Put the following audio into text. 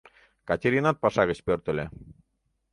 Катеринат паша гыч пӧртыльӧ.